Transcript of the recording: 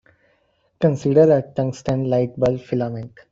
Consider a tungsten light-bulb filament.